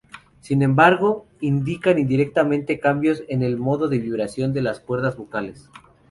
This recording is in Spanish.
Sin embargo, indican indirectamente cambios en el modo de vibración de las cuerdas vocales.